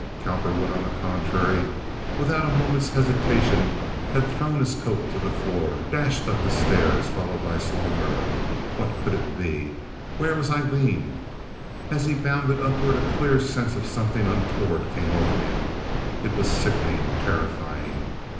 Cowperwood, on the contrary, without a moment's hesitation had thrown his coat to the floor, dashed up the stairs, followed by Sohlberg. What could it be? Where was Aileen? As he bounded upward a clear sense of something untoward came over him; it was sickening, terrifying.